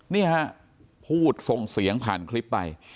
นี่ฮะพูดส่งเสียงผ่านคลิปไป